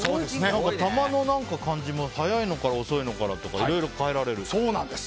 球の感じも速いのから遅いのからいろいろ変えられると。